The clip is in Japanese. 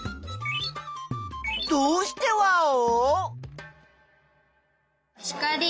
どうしてワオ？